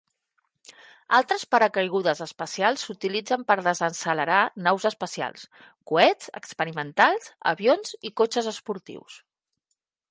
Altres paracaigudes especials s'utilitzen per a desaccelerar naus espacials, coets experimentals, avions i cotxes esportius.